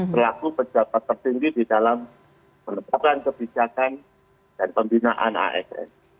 pelaku pejabat tertinggi di dalam penetapan kebijakan dan pembinaan asn